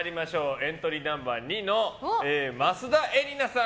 エントリーナンバー２の益田恵梨菜さん。